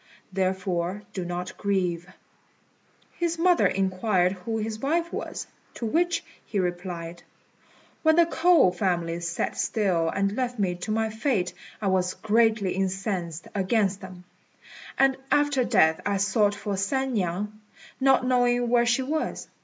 Therefore do not grieve." His mother inquired who his wife was, to which he replied, "When the K'ou family sat still and left me to my fate I was greatly incensed against them; and after death I sought for San niang, not knowing where she was.